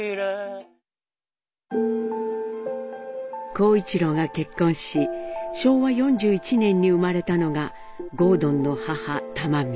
公一郎が結婚し昭和４１年に生まれたのが郷敦の母・玉美。